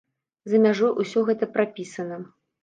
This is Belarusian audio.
За мяжой усё гэта прапісана.